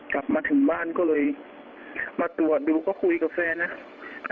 กลับมาถึงบ้านก็เลยมาตรวจดูก็คุยกับแฟนนะ